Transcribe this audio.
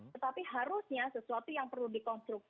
tetapi harusnya sesuatu yang perlu dikonstruksi